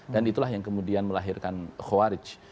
dan itulah yang kemudian melahirkan khawarij